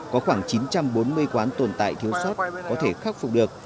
có khoảng chín trăm bốn mươi quán tồn tại thiếu sót có thể khắc phục được